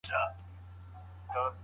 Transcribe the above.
تاسي ولي په اخیرت کي د نېکۍ مننه نه لرئ؟